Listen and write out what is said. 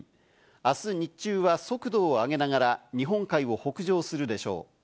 明日、日中は速度を上げながら日本海を北上するでしょう。